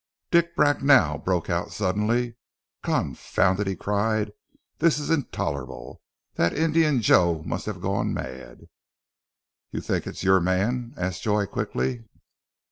Dick Bracknell broke out, suddenly, "Confound it," he cried, "this is intolerable. That Indian Joe must have gone mad!" "You think it is your man?" asked Joy quickly.